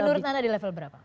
menurut anda di level berapa